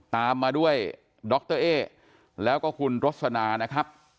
ตามมาด้วยดรเอ๊แล้วก็คุณรสนานะครับ